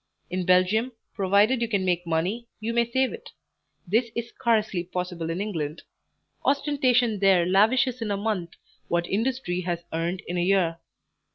In Belgium, provided you can make money, you may save it; this is scarcely possible in England; ostentation there lavishes in a month what industry has earned in a year.